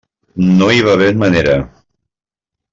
No hi va haver manera.